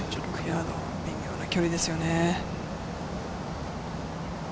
微妙な距離ですよね。